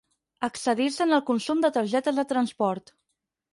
Excedir-se en el consum de targetes de transport.